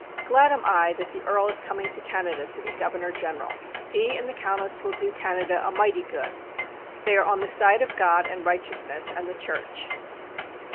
Glad am I that the Earl is coming to Canada to be Governor General. He and the Countess will do Canada a mighty good. They are on the side of God, and righteousness, and the Church.